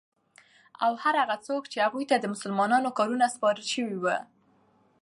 او هر هغه څوک چی هغوی ته د مسلمانانو کارونه سپارل سوی وی